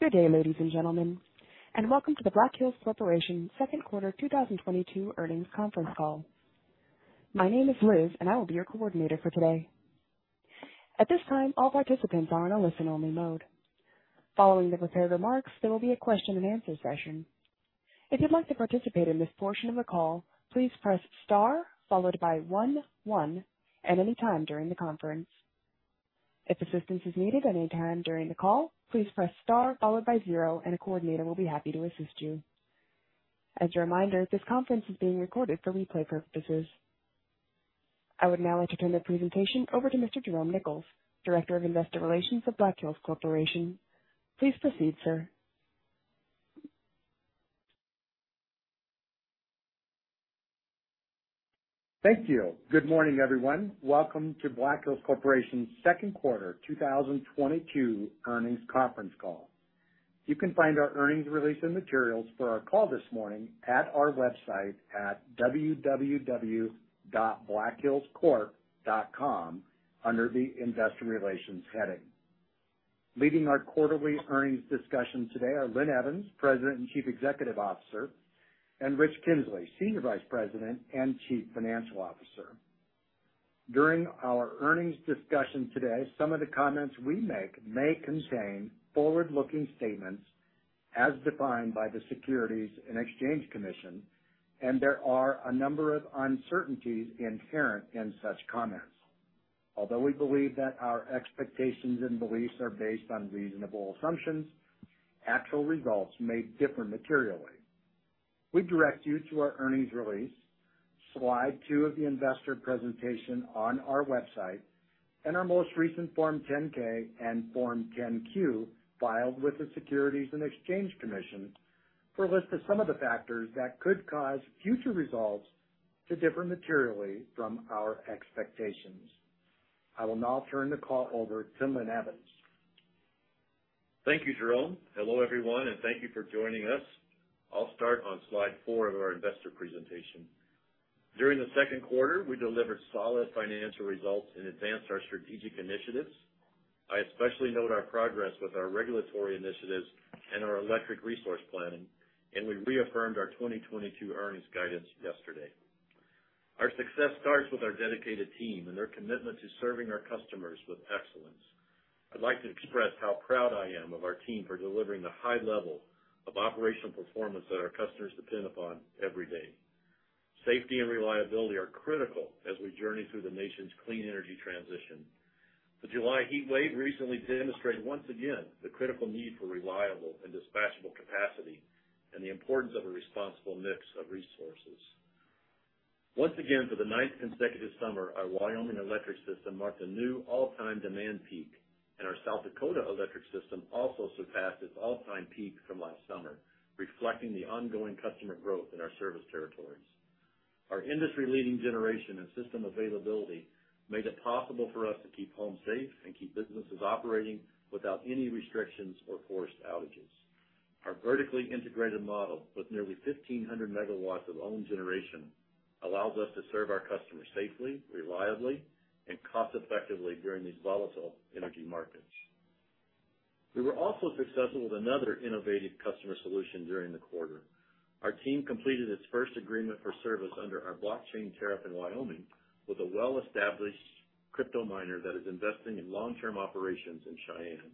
Good day, ladies and gentlemen, and welcome to the Black Hills Corporation second quarter 2022 earnings conference call. My name is Liz and I will be your coordinator for today. At this time, all participants are in a listen-only mode. Following the prepared remarks, there will be a question-and-answer session. If you'd like to participate in this portion of the call, please press star followed by one one at any time during the conference. If assistance is needed at any time during the call, please press star followed by zero and a coordinator will be happy to assist you. As a reminder, this conference is being recorded for replay purposes. I would now like to turn the presentation over to Mr. Jerome Nichols, Director of Investor Relations for Black Hills Corporation. Please proceed, sir. Thank you. Good morning, everyone. Welcome to Black Hills Corporation's second quarter 2022 earnings conference call. You can find our earnings release and materials for our call this morning at our website at www.blackhillscorp.com under the Investor Relations heading. Leading our quarterly earnings discussion today are Linn Evans, President and Chief Executive Officer, and Rich Kinzley, Senior Vice President and Chief Financial Officer. During our earnings discussion today, some of the comments we make may contain forward-looking statements as defined by the Securities and Exchange Commission, and there are a number of uncertainties inherent in such comments. Although we believe that our expectations and beliefs are based on reasonable assumptions, actual results may differ materially. We direct you to our earnings release, slide 2 of the investor presentation on our website, and our most recent Form 10-K and Form 10-Q filed with the Securities and Exchange Commission for a list of some of the factors that could cause future results to differ materially from our expectations. I will now turn the call over to Linn Evans. Thank you, Jerome. Hello, everyone, and thank you for joining us. I'll start on slide 4 of our investor presentation. During the second quarter, we delivered solid financial results and advanced our strategic initiatives. I especially note our progress with our regulatory initiatives and our electric resource planning, and we reaffirmed our 2022 earnings guidance yesterday. Our success starts with our dedicated team and their commitment to serving our customers with excellence. I'd like to express how proud I am of our team for delivering the high level of operational performance that our customers depend upon every day. Safety and reliability are critical as we journey through the nation's clean energy transition. The July heatwave recently demonstrated once again the critical need for reliable and dispatchable capacity and the importance of a responsible mix of resources. Once again, for the ninth consecutive summer, our Wyoming electric system marked a new all-time demand peak, and our South Dakota electric system also surpassed its all-time peak from last summer, reflecting the ongoing customer growth in our service territories. Our industry-leading generation and system availability made it possible for us to keep homes safe and keep businesses operating without any restrictions or forced outages. Our vertically integrated model with nearly 1,500 MW of own generation allows us to serve our customers safely, reliably, and cost effectively during these volatile energy markets. We were also successful with another innovative customer solution during the quarter. Our team completed its first agreement for service under our Blockchain tariff in Wyoming with a well-established crypto miner that is investing in long-term operations in Cheyenne.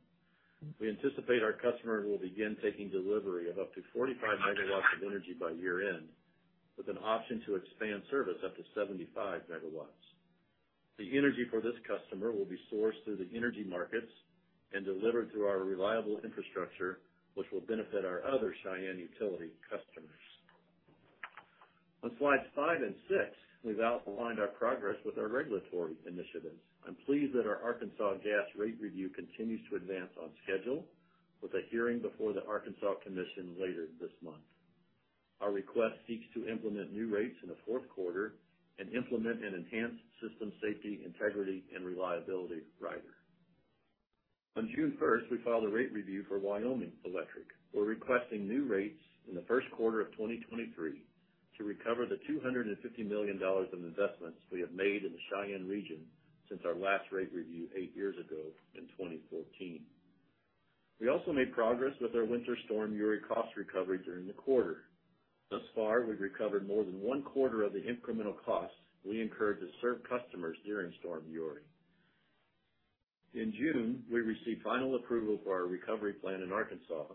We anticipate our customer will begin taking delivery of up to 45 MW of energy by year-end, with an option to expand service up to 75 MW. The energy for this customer will be sourced through the energy markets and delivered through our reliable infrastructure, which will benefit our other Cheyenne utility customers. On slides 5 and 6, we've outlined our progress with our regulatory initiatives. I'm pleased that our Arkansas gas rate review continues to advance on schedule with a hearing before the Arkansas Commission later this month. Our request seeks to implement new rates in the fourth quarter and implement an enhanced system safety, integrity, and reliability rider. On June 1st, we filed a rate review for Wyoming Electric. We're requesting new rates in the first quarter of 2023 to recover the $250 million in investments we have made in the Cheyenne region since our last rate review eight years ago in 2014. We also made progress with our Winter Storm Uri cost recovery during the quarter. Thus far, we've recovered more than one quarter of the incremental costs we incurred to serve customers during Winter Storm Uri. In June, we received final approval for our recovery plan in Arkansas,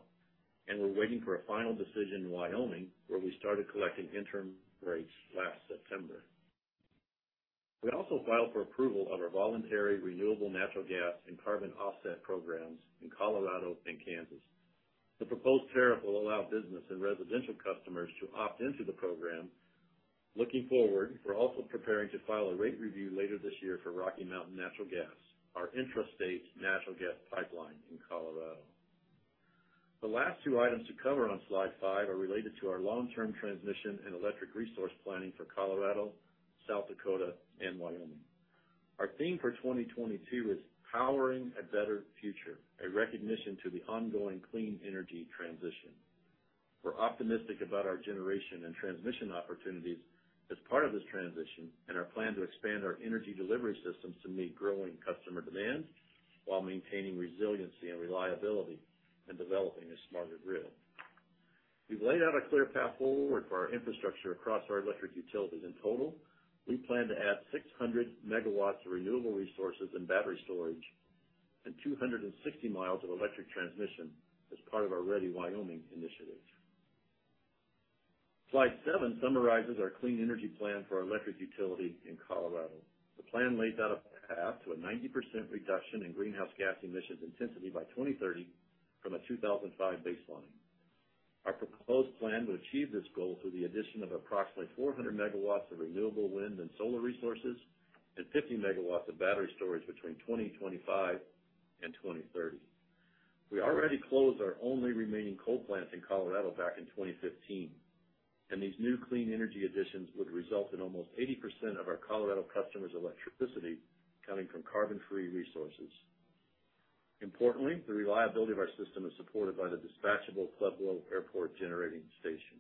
and we're waiting for a final decision in Wyoming, where we started collecting interim rates last September. We also filed for approval of our voluntary renewable natural gas and carbon offset programs in Colorado and Kansas. The proposed tariff will allow business and residential customers to opt into the program. Looking forward, we're also preparing to file a rate review later this year for Rocky Mountain Natural Gas, our intrastate natural gas pipeline in Colorado. The last two items to cover on slide 5 are related to our long-term transmission and electric resource planning for Colorado, South Dakota, and Wyoming. Our theme for 2022 is Powering a Better Future, a recognition to the ongoing clean energy transition. We're optimistic about our generation and transmission opportunities as part of this transition, and our plan to expand our energy delivery systems to meet growing customer demands while maintaining resiliency and reliability in developing a smarter grid. We've laid out a clear path forward for our infrastructure across our electric utilities. In total, we plan to add 600 MW of renewable resources and battery storage and 260 mi of electric transmission as part of our Ready Wyoming initiative. Slide 7 summarizes our clean energy plan for our electric utility in Colorado. The plan lays out a path to a 90% reduction in greenhouse gas emissions intensity by 2030 from a 2005 baseline. Our proposed plan to achieve this goal through the addition of approximately 400 MW of renewable wind and solar resources and 50 MW of battery storage between 2025 and 2030. We already closed our only remaining coal plant in Colorado back in 2015, and these new clean energy additions would result in almost 80% of our Colorado customers' electricity coming from carbon-free resources. Importantly, the reliability of our system is supported by the dispatchable Pueblo Airport Generating Station.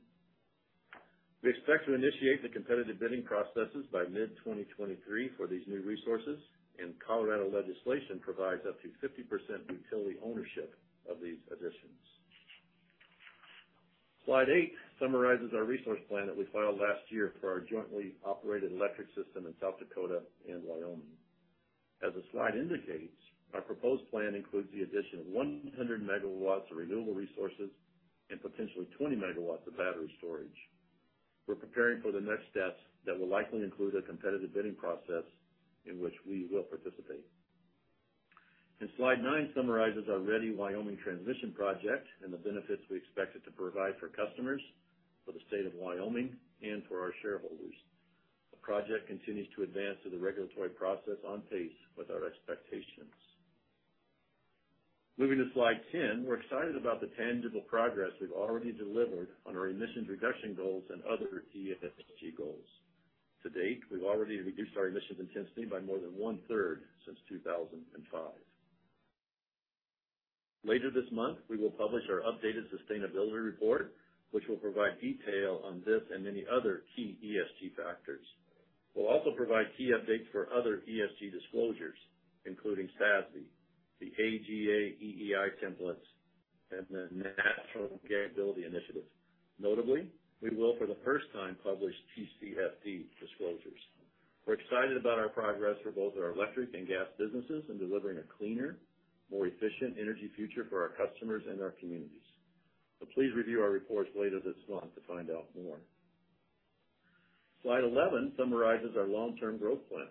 We expect to initiate the competitive bidding processes by mid-2023 for these new resources, and Colorado legislation provides up to 50% utility ownership of these additions. Slide 8 summarizes our resource plan that we filed last year for our jointly operated electric system in South Dakota and Wyoming. As the slide indicates, our proposed plan includes the addition of 100 MW of renewable resources and potentially 20 MW of battery storage. We're preparing for the next steps that will likely include a competitive bidding process in which we will participate. Slide 9 summarizes our Ready Wyoming transmission project and the benefits we expect it to provide for customers, for the state of Wyoming, and for our shareholders. The project continues to advance through the regulatory process on pace with our expectations. Moving to slide 10, we're excited about the tangible progress we've already delivered on our emissions reduction goals and other key ESG goals. To date, we've already reduced our emissions intensity by more than one-third since 2005. Later this month, we will publish our updated sustainability report, which will provide detail on this and many other key ESG factors. We'll also provide key updates for other ESG disclosures, including SASB, the AGA EEI templates, and the Natural Capital Accounting. Notably, we will, for the first time, publish TCFD disclosures. We're excited about our progress for both our electric and gas businesses in delivering a cleaner, more efficient energy future for our customers and our communities. Please review our reports later this month to find out more. Slide 11 summarizes our long-term growth plan.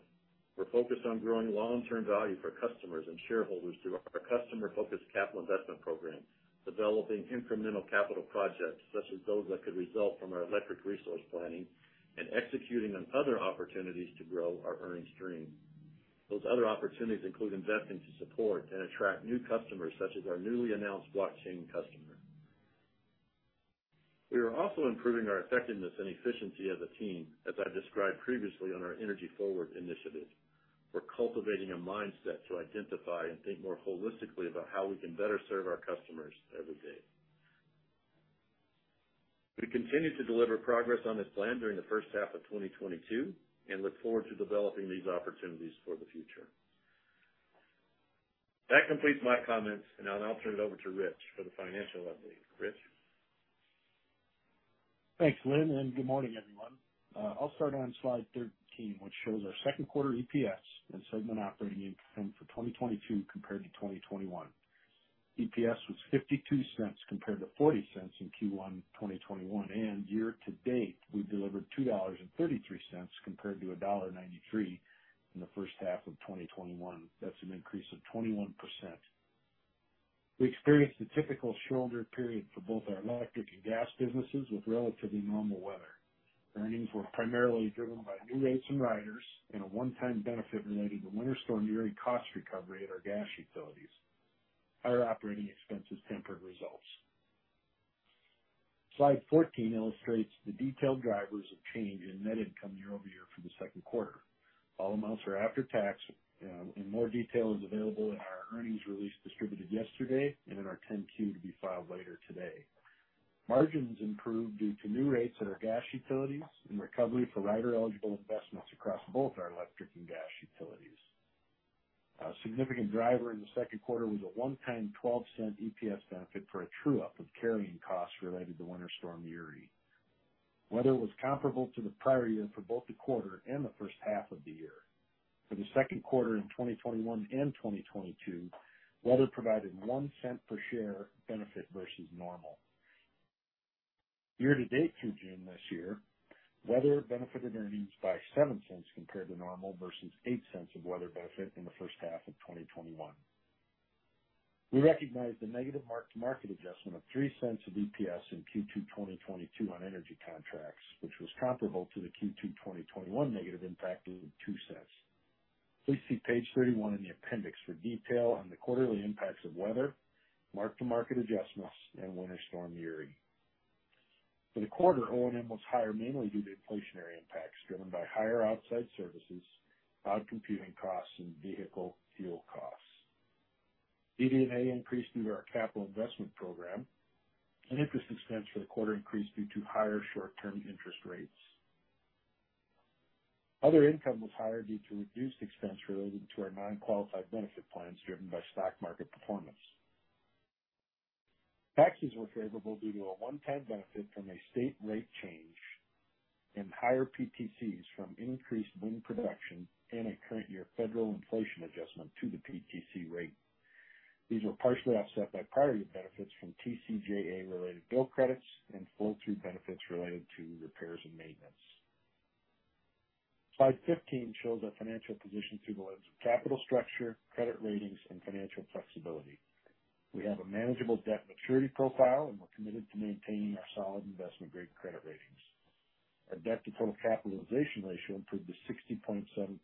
We're focused on growing long-term value for customers and shareholders through our customer-focused capital investment program, developing incremental capital projects such as those that could result from our electric resource planning, and executing on other opportunities to grow our earnings stream. Those other opportunities include investing to support and attract new customers, such as our newly announced blockchain customer. We are also improving our effectiveness and efficiency as a team, as I described previously on our Energy Forward initiative. We're cultivating a mindset to identify and think more holistically about how we can better serve our customers every day. We continue to deliver progress on this plan during the first half of 2022 and look forward to developing these opportunities for the future. That completes my comments, and now I'll turn it over to Rich for the financial update. Rich? Thanks, Linn, and good morning, everyone. I'll start on slide 13, which shows our second quarter EPS and segment operating income for 2022 compared to 2021. EPS was $0.52 compared to $0.40 in Q1 2021, and year to date, we've delivered $2.33 compared to $1.93 in the first half of 2021. That's an increase of 21%. We experienced a typical shoulder period for both our electric and gas businesses with relatively normal weather. Earnings were primarily driven by new rates and riders and a one-time benefit related to Winter Storm Uri cost recovery at our gas utilities. Higher operating expenses tempered results. Slide 14 illustrates the detailed drivers of change in net income year-over-year for the second quarter. All amounts are after tax, and more detail is available in our earnings release distributed yesterday and in our 10-Q to be filed later today. Margins improved due to new rates at our gas utilities and recovery for rider-eligible investments across both our electric and gas utilities. A significant driver in the second quarter was a one-time $0.12 EPS benefit for a true up of carrying costs related to Winter Storm Uri. Weather was comparable to the prior year for both the quarter and the first half of the year. For the second quarter in 2021 and 2022, weather provided $0.01 per share benefit versus normal. Year to date through June this year, weather benefited earnings by $0.07 compared to normal versus $0.08 of weather benefit in the first half of 2021. We recognized a negative mark-to-market adjustment of $0.03 of EPS in Q2 2022 on energy contracts, which was comparable to the Q2 2021 negative impact of $0.02. Please see page 31 in the appendix for detail on the quarterly impacts of weather, mark-to-market adjustments, and Winter Storm Uri. For the quarter, O&M was higher mainly due to inflationary impacts driven by higher outside services, cloud computing costs, and vehicle fuel costs. DD&A increased due to our capital investment program, and interest expense for the quarter increased due to higher short-term interest rates. Other income was higher due to reduced expense related to our non-qualified benefit plans driven by stock market performance. Taxes were favorable due to a one-time benefit from a state rate change and higher PTCs from increased wind production and a current year federal inflation adjustment to the PTC rate. These were partially offset by prior year benefits from TCJA-related bill credits and flow-through benefits related to repairs and maintenance. Slide 15 shows our financial position through the lens of capital structure, credit ratings, and financial flexibility. We have a manageable debt maturity profile, and we're committed to maintaining our solid investment-grade credit ratings. Our debt to total capitalization ratio improved to 60.7%,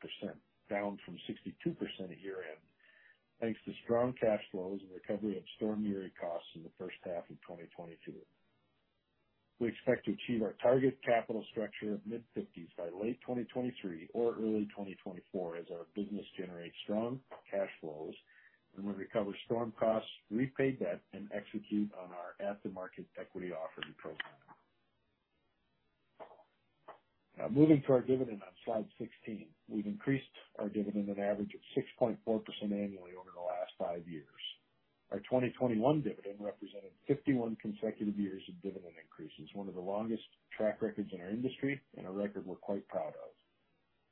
down from 62% year-end, thanks to strong cash flows and recovery of Winter Storm Uri costs in the first half of 2022. We expect to achieve our target capital structure of mid-50s by late 2023 or early 2024 as our business generates strong cash flows and we recover Winter Storm Uri costs, repay debt, and execute on our at-the-market equity offering program. Now moving to our dividend on slide 16. We've increased our dividend an average of 6.4% annually over the last five years. Our 2021 dividend represented 51 consecutive years of dividend increases, one of the longest track records in our industry and a record we're quite proud of.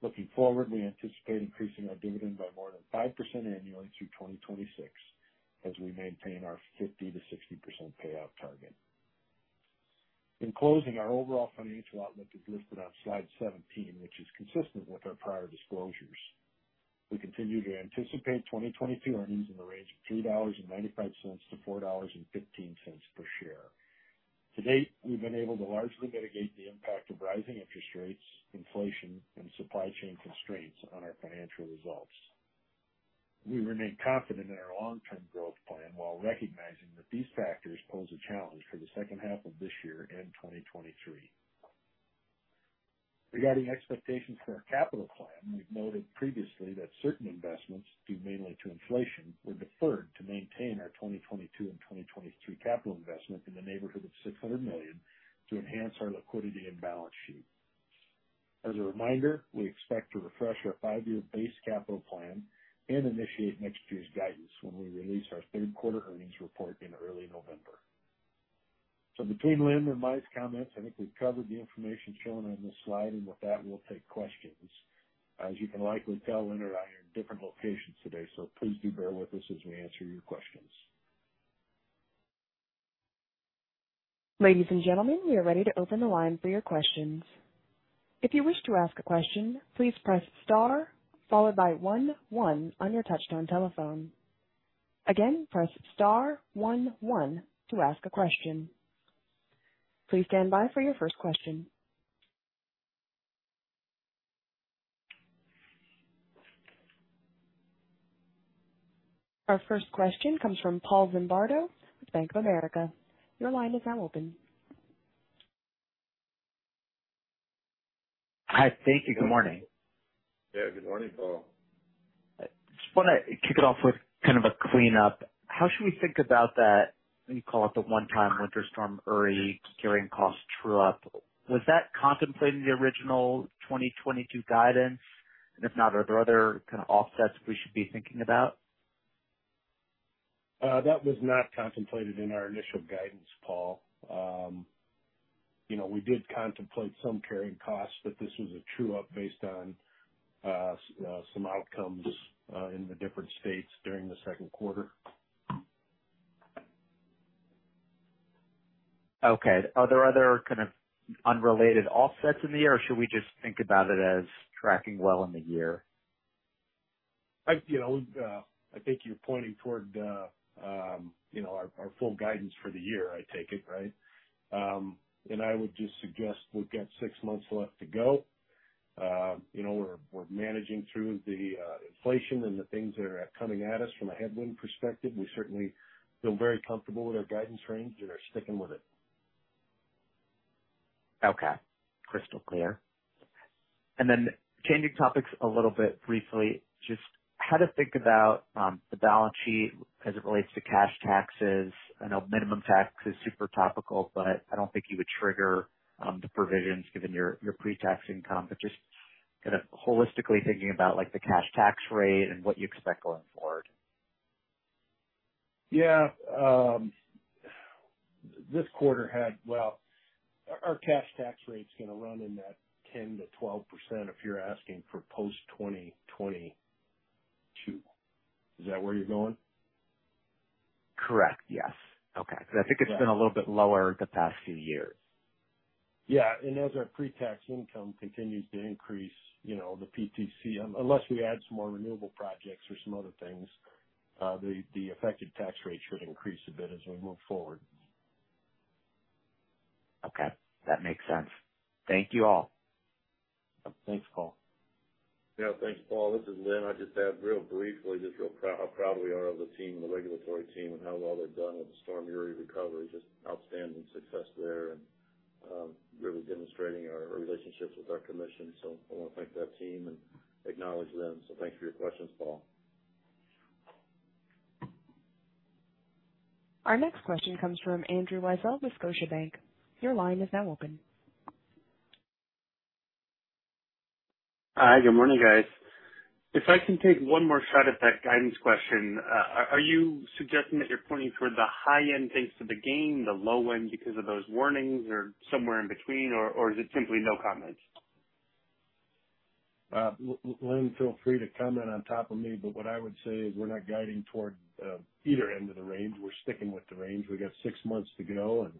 Looking forward, we anticipate increasing our dividend by more than 5% annually through 2026 as we maintain our 50%-60% payout target. In closing, our overall financial outlook is listed on slide 17, which is consistent with our prior disclosures. We continue to anticipate 2022 earnings in the range of $2.95-$4.15 per share. To date, we've been able to largely mitigate the impact of rising interest rates, inflation, and supply chain constraints on our financial results. We remain confident in our long-term growth plan while recognizing that these factors pose a challenge for the second half of this year and 2023. Regarding expectations for our capital plan, we've noted previously that certain investments, due mainly to inflation, were deferred to maintain our 2022 and 2023 capital investment in the neighborhood of $600 million to enhance our liquidity and balance sheet. As a reminder, we expect to refresh our five-year base capital plan and initiate next year's guidance when we release our third quarter earnings report in early November. Between Linn and my comments, I think we've covered the information shown on this slide. With that, we'll take questions. As you can likely tell, Linn and I are in different locations today, so please do bear with us as we answer your questions. Ladies and gentlemen, we are ready to open the line for your questions. If you wish to ask a question, please press star followed by one one on your touchtone telephone. Again, press star one one to ask a question. Please stand by for your first question. Our first question comes from Paul Zimbardo with Bank of America. Your line is now open. Hi. Thank you. Good morning. Yeah, good morning, Paul. I just want to kick it off with kind of a cleanup. How should we think about that, what you call it, the one-time Winter Storm Uri carrying cost true-up? Was that contemplated in the original 2022 guidance? If not, are there other kind of offsets we should be thinking about? That was not contemplated in our initial guidance, Paul. You know, we did contemplate some carrying costs, but this was a true-up based on some outcomes in the different states during the second quarter. Okay. Are there other kind of unrelated offsets in the year, or should we just think about it as tracking well in the year? You know, I think you're pointing toward our full guidance for the year, I take it, right? I would just suggest we've got six months left to go. You know, we're managing through the inflation and the things that are coming at us from a headwind perspective. We certainly feel very comfortable with our guidance range and are sticking with it. Okay. Crystal clear. Changing topics a little bit briefly, just how to think about the balance sheet as it relates to cash taxes. I know minimum tax is super topical, but I don't think you would trigger the provisions given your pre-tax income. Just kind of holistically thinking about, like, the cash tax rate and what you expect going forward. Yeah. Well, our cash tax rate's gonna run in that 10%-12% if you're asking for post-2022. Is that where you're going? Correct. Yes. Okay. Yeah. Because I think it's been a little bit lower the past few years. Yeah. As our pre-tax income continues to increase, you know, the PTC, unless we add some more renewable projects or some other things, the effective tax rate should increase a bit as we move forward. Okay. That makes sense. Thank you all. Thanks, Paul. Yeah, thanks, Paul. This is Linn. I'd just add real briefly, just real proud, how proud we are of the team, the regulatory team, and how well they've done with the Storm Uri recovery. Just outstanding success there and really demonstrating our relationships with our commission. I want to thank that team and acknowledge them. Thanks for your questions, Paul. Our next question comes from Andrew Weisel with Scotiabank. Your line is now open. Hi. Good morning, guys. If I can take one more shot at that guidance question. Are you suggesting that you're pointing toward the high end thanks to the gain, the low end because of those warnings or somewhere in between, or is it simply no comment? Linn, feel free to comment on top of me, but what I would say is we're not guiding toward either end of the range. We're sticking with the range. We got six months to go and,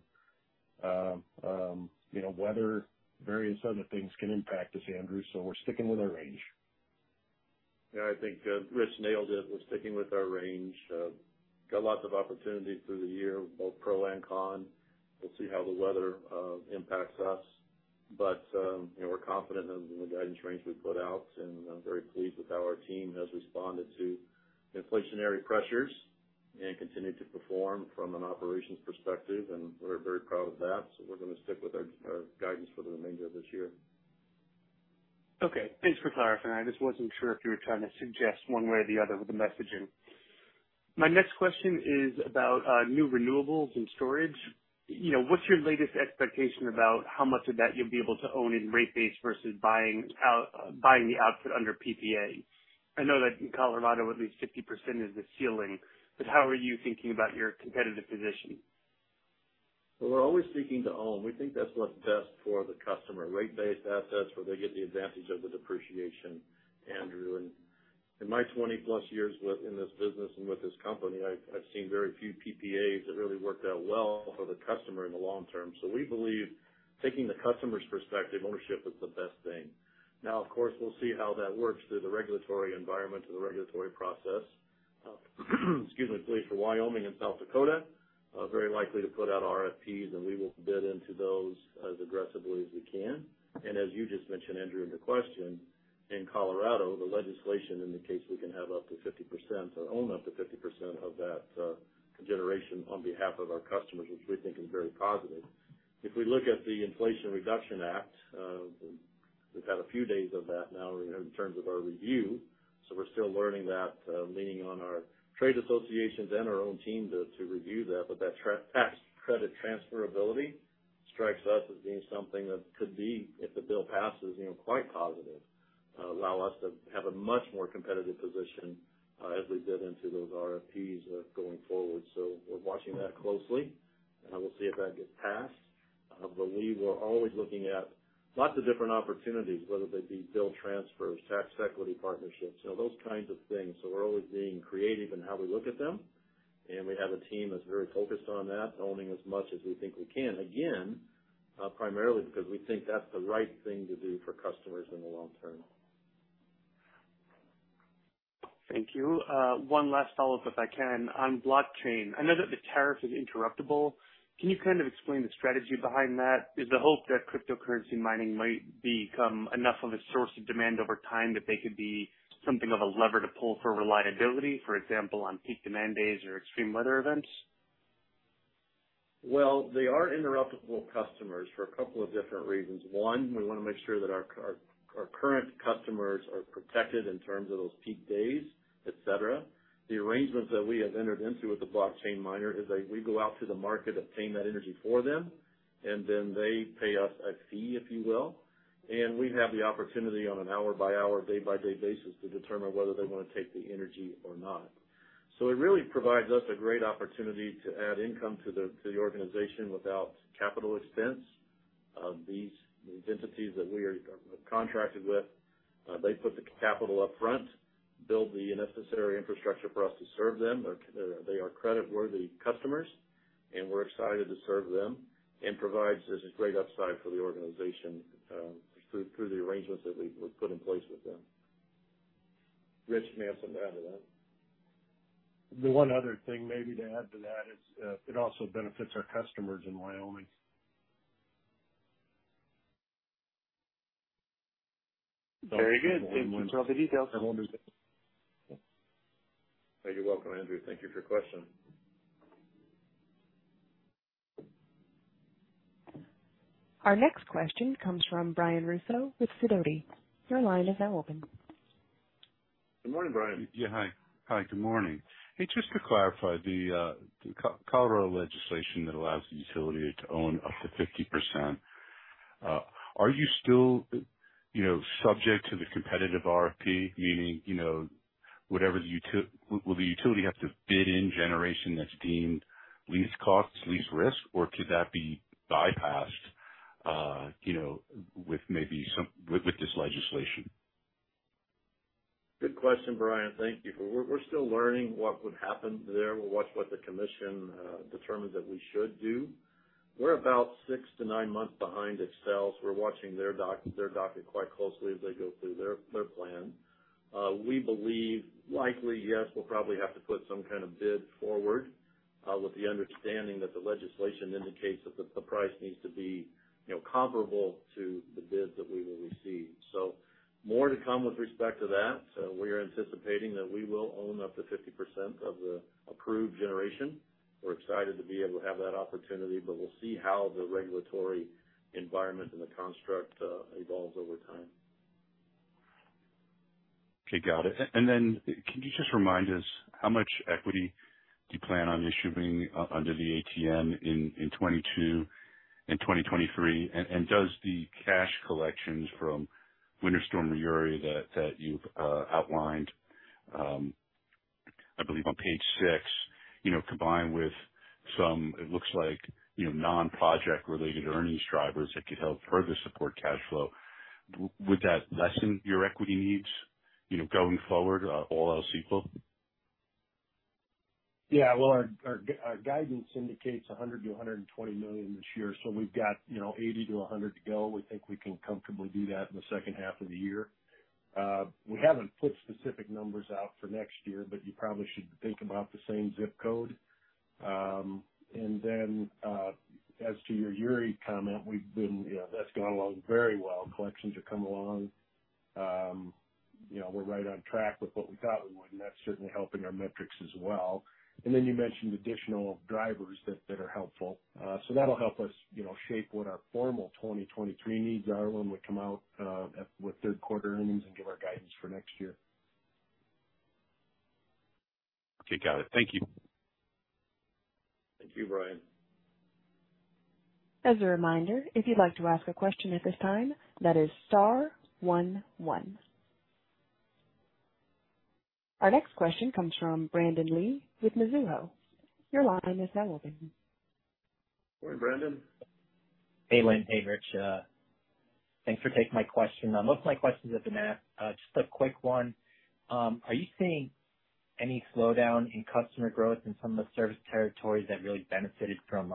you know, weather, various other things can impact us, Andrew, so we're sticking with our range. Yeah, I think, Rich nailed it. We're sticking with our range. Got lots of opportunities through the year, both pro and con. We'll see how the weather impacts us. You know, we're confident in the guidance range we've put out, and I'm very pleased with how our team has responded to inflationary pressures and continued to perform from an operations perspective, and we're very proud of that. We're gonna stick with our guidance for the remainder of this year. Okay. Thanks for clarifying. I just wasn't sure if you were trying to suggest one way or the other with the messaging. My next question is about new renewables and storage. You know, what's your latest expectation about how much of that you'll be able to own in rate base versus buying out, buying the output under PPA? I know that in Colorado, at least 50% is the ceiling, but how are you thinking about your competitive position? Well, we're always seeking to own. We think that's what's best for the customer. Rate-based assets where they get the advantage of the depreciation, Andrew. In my 20-plus years with in this business and with this company, I've seen very few PPAs that really worked out well for the customer in the long term. We believe taking the customer's perspective, ownership is the best thing. Now, of course, we'll see how that works through the regulatory environment and the regulatory process. Excuse me please. For Wyoming and South Dakota, very likely to put out RFPs, and we will bid into those as aggressively as we can. As you just mentioned, Andrew, in the question, in Colorado, the legislation indicates we can have up to 50% or own up to 50% of that generation on behalf of our customers, which we think is very positive. If we look at the Inflation Reduction Act, we've had a few days of that now in terms of our review, so we're still learning that, leaning on our trade associations and our own team to review that. But that tax credit transferability strikes us as being something that could be, if the bill passes, you know, quite positive. Allow us to have a much more competitive position, as we bid into those RFPs going forward. We're watching that closely, and we'll see if that gets passed. We were always looking at lots of different opportunities, whether they be bill transfers, tax equity partnerships, you know, those kinds of things. We're always being creative in how we look at them, and we have a team that's very focused on that, owning as much as we think we can. Again, primarily because we think that's the right thing to do for customers in the long term. Thank you. One last follow-up, if I can. On blockchain, I know that the tariff is interruptible. Can you kind of explain the strategy behind that? Is the hope that cryptocurrency mining might become enough of a source of demand over time that they could be something of a lever to pull for reliability, for example, on peak demand days or extreme weather events? Well, they are interruptible customers for a couple of different reasons. One, we wanna make sure that our current customers are protected in terms of those peak days, et cetera. The arrangements that we have entered into with the blockchain miner is a, we go out to the market, obtain that energy for them, and then they pay us a fee, if you will. We have the opportunity on an hour-by-hour, day-by-day basis to determine whether they want to take the energy or not. It really provides us a great opportunity to add income to the organization without capital expense. These entities that we are contracted with, they put the capital up front, build the necessary infrastructure for us to serve them. They are creditworthy customers, and we're excited to serve them and provides us a great upside for the organization, through the arrangements that we've put in place with them. Rich, you may have something to add to that. The one other thing maybe to add to that is, it also benefits our customers in Wyoming. Very good. Thanks for all the details. You're welcome, Andrew. Thank you for your question. Our next question comes from Brian Russo with Sidoti. Your line is now open. Good morning, Brian. Yeah. Hi. Hi, good morning. Hey, just to clarify the Colorado legislation that allows the utility to own up to 50%, are you still, you know, subject to the competitive RFP? Will the utility have to bid in generation that's deemed least cost, least risk, or could that be bypassed, you know, with maybe some with this legislation? Good question, Brian. Thank you. We're still learning what would happen there. We'll watch what the commission determines that we should do. We're about six-nine months behind Xcel, so we're watching their docket quite closely as they go through their plan. We believe likely, yes, we'll probably have to put some kind of bid forward, with the understanding that the legislation indicates that the price needs to be, you know, comparable to the bids that we will receive. More to come with respect to that. We are anticipating that we will own up to 50% of the approved generation. We're excited to be able to have that opportunity, but we'll see how the regulatory environment and the construct evolves over time. Okay, got it. Can you just remind us how much equity do you plan on issuing under the ATM in 2022 and 2023? Does the cash collections from Winter Storm Uri that you've outlined, I believe on page six, you know, combine with some, it looks like, you know, non-project related earnings drivers that could help further support cash flow. Would that lessen your equity needs, you know, going forward, all else equal? Yeah. Well, our guidance indicates $100 million to $120 million this year. We've got, you know, $80 million to $100 million to go. We think we can comfortably do that in the second half of the year. We haven't put specific numbers out for next year, but you probably should think about the same zip code. As to your Uri comment, we've been, that's gone along very well. Collections have come along. We're right on track with what we thought we would, and that's certainly helping our metrics as well. You mentioned additional drivers that are helpful. That'll help us shape what our formal 2023 needs are when we come out with third quarter earnings and give our guidance for next year. Okay, got it. Thank you. Thank you, Brian. As a reminder, if you'd like to ask a question at this time, that is star one one. Our next question comes from Brandon Lee with Mizuho. Your line is now open. Morning, Brandon. Hey, Linn. Hey, Rich. Thanks for taking my question. Most of my questions have been asked. Just a quick one. Are you seeing any slowdown in customer growth in some of the service territories that really benefited from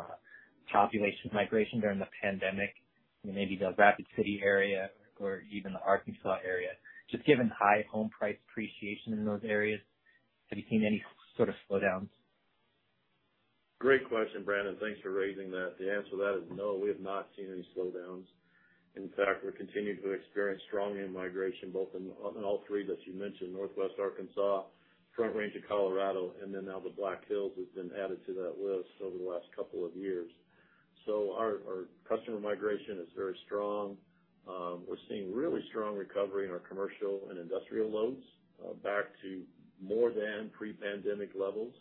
population migration during the pandemic, you know, maybe the Rapid City area or even the Arkansas area? Just given high home price appreciation in those areas, have you seen any sort of slowdowns? Great question, Brandon. Thanks for raising that. The answer to that is no, we have not seen any slowdowns. In fact, we're continuing to experience strong in-migration on all three that you mentioned, Northwest Arkansas, Front Range of Colorado, and then now the Black Hills has been added to that list over the last couple of years. Our customer migration is very strong. We're seeing really strong recovery in our commercial and industrial loads back to more than pre-pandemic levels.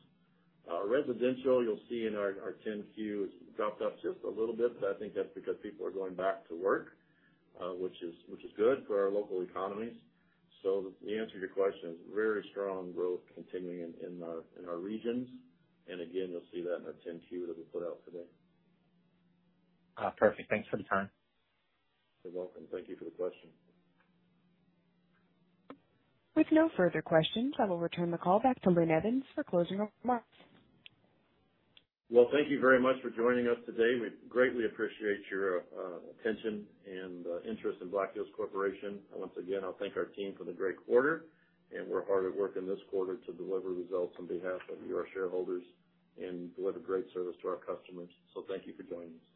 Residential, you'll see in our 10-Q, has dropped off just a little bit, but I think that's because people are going back to work, which is good for our local economies. The answer to your question is very strong growth continuing in our regions. Again, you'll see that in our 10-Q that we put out today. Perfect. Thanks for the time. You're welcome. Thank you for the question. With no further questions, I will return the call back to Linn Evans for closing remarks. Well, thank you very much for joining us today. We greatly appreciate your attention and interest in Black Hills Corp. Once again, I'll thank our team for the great quarter, and we're hard at work in this quarter to deliver results on behalf of your shareholders and deliver great service to our customers. Thank you for joining us.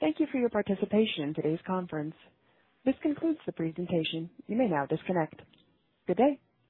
Thank you for your participation in today's conference. This concludes the presentation. You may now disconnect. Good day.